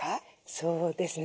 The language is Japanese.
そうですね。